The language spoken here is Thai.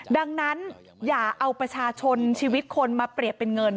ดังนั้นอย่าเอาประชาชนชีวิตคนมาเปรียบเป็นเงิน